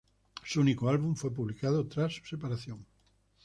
Su único álbum fue publicado tras su separación.